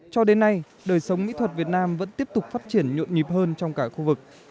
cho đến nay đời sống mỹ thuật việt nam vẫn tiếp tục phát triển nhộn nhịp hơn trong cả khu vực